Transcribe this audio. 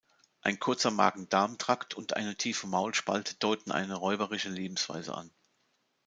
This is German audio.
Ein kurzer Magen-Darm-Trakt und eine tiefe Maulspalte deuten eine räuberische Lebensweise an.